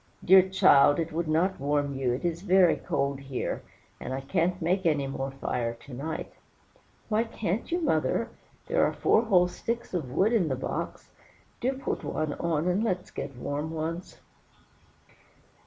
"Dear child, it would not warm you; it is very cold here, and I can't make any more fire to night." "Why can't you, mother? There are four whole sticks of wood in the box; do put one on, and let's get warm once."